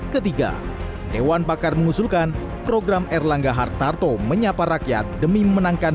dua ribu dua puluh tiga ketiga dewan pakar mengusulkan program erlangga hartarto menyapa rakyat demi menangkan